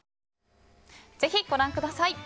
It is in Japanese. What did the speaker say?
ぜひご覧ください。